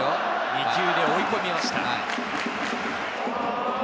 ２球で追い込みました。